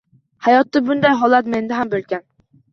Hayotda bunday holat menda ham bo‘lgan.